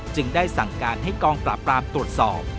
จึงได้สั่งการให้กองปราบปรามตรวจสอบ